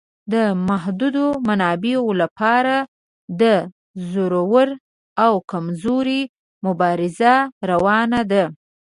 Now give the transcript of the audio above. د محدودو منابعو لپاره د زورور او کمزوري مبارزه روانه ده.